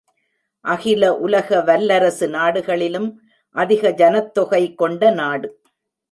அகில உலக வல்லரசு நாடுகளிலும் அதிக ஜனத்தொகை கொண்ட நாடு.